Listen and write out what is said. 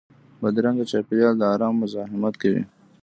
بدرنګه چاپېریال د ارام مزاحمت کوي